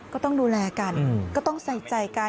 ก็ต้องดูแลกันก็ต้องใส่ใจกัน